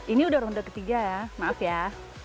ini udah ronde ketiga ya maaf ya